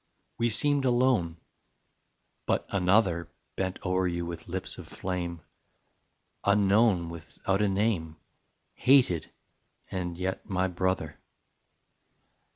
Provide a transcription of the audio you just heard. We seemed alone: but another Bent o'er you with lips of flame, Unknown, without a name, Hated, and yet my brother.